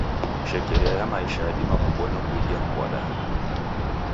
Shekeria ya maisha yadima kubonywa kuidia kuw'adana.